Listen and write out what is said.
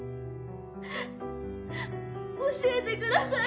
教えてください！